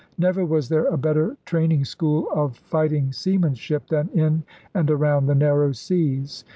Never was there a better training school of fighting seamanship than in and around the Narrow Seas.